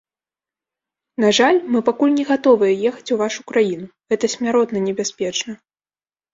На жаль, мы пакуль не гатовыя ехаць у вашу краіну, гэта смяротна небяспечна.